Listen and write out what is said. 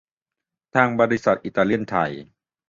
ทางบริษัทอิตาเลียนไทย